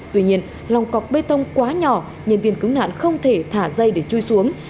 tuy nhiên lòng cọc bê tông quá nhỏ nhân viên cứu nạn không thể thả dây để chui xuống